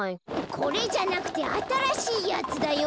これじゃなくてあたらしいやつだよ。